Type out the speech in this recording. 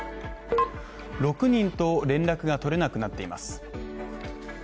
６人と連絡が取れなくなっています。